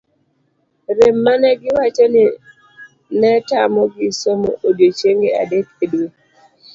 rem mane giwacho ni netamo gi somo odiochieng'e adek e dwe